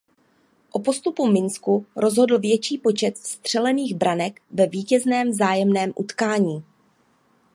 O postupu Minsku rozhodl větší počet vstřelených branek ve vítězném vzájemném utkání.